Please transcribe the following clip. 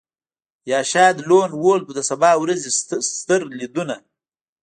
یا شاید لون وولف د سبا ورځې ستر لیدونه